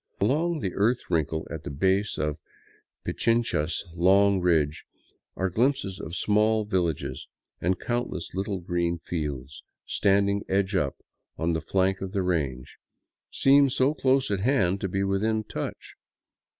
Along the earth wrinkle at the base of Pichincha's long ridge are glimpses of small villages, and countless little green fields, standing edge up on the flank of the range, seem so close at hand as to be almost within touch.